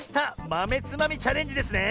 まめつまみチャレンジですね！